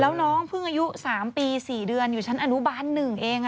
แล้วน้องเพิ่งอายุ๓ปี๔เดือนอยู่ชั้นอนุบาล๑เอง